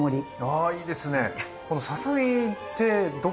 ああいいですね！